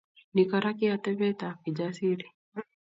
Ni Kora ko ki atebetab Kijasiri